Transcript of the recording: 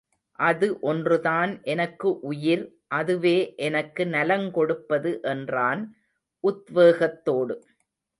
அது ஒன்றுதான் எனக்கு உயிர் அதுவே எனக்கு நலங்கொடுப்பது என்றான் உத்வேகத்தோடு.